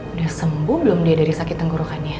udah sembuh belum dia dari sakit tenggorokan ya